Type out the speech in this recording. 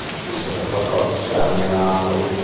Visse per quattordici anni a Napoli.